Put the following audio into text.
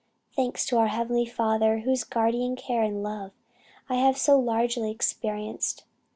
Thanks to our Heavenly Father whose guardian care and love I have so largely experienced.